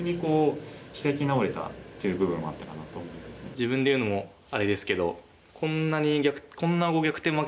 自分で言うのもあれですけど。